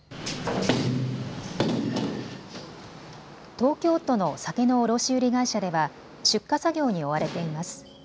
東京都の酒の卸売り会社では出荷作業に追われています。